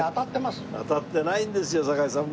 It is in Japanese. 当たってないんですよ堺さん